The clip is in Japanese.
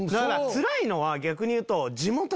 つらいのは逆に言うと。